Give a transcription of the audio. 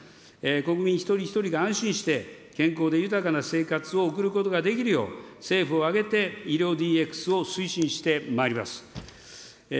国民一人一人が安心して、健康で豊かな生活を送ることができるよう、政府を挙げて医療ＤＸを推進してまいります。